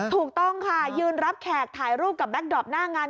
ถูกต้องค่ะยืนรับแขกถ่ายรูปกับแก๊กดอปหน้างาน